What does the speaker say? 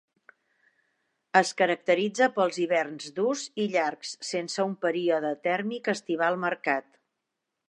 Es caracteritza pels hiverns durs i llargs, sense un període tèrmic estival marcat.